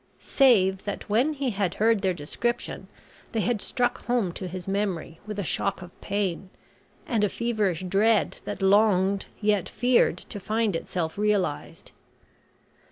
save that when he had heard their description they had struck home to his memory with a shock of pain, and a feverish dread that longed yet feared to find itself realised.